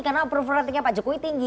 karena approval ratingnya pak jokowi tinggi